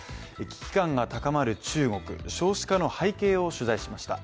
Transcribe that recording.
危機感が高まる中国、少子化の背景を取材しました。